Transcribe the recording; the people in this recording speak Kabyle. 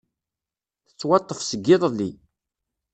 Tettwaṭṭef seg iḍelli.